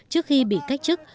trước khi bị cách chức